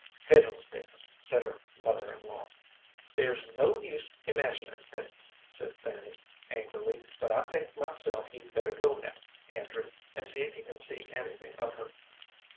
"Fiddlesticks!" said her mother in law. "There's no use imaginin' things," said Fanny, angrily; "but I think myself you'd better go now, Andrew, and see if you can see anything of her."